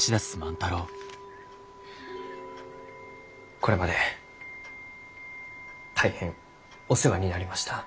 これまで大変お世話になりました。